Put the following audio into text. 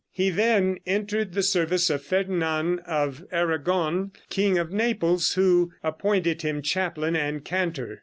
He then entered the service of Ferdinand of Aragon, king of Naples, who appointed him chaplain and cantor.